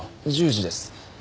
１０時です。